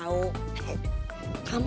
aku juga kangen sama kamu